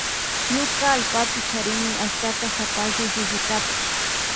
Ñuka allpapi charini ashtaka sapallu chukllutapash.